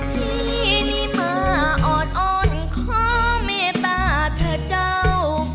พี่นิมาอ่อนอ่อนของเมตตาเธอเจ้า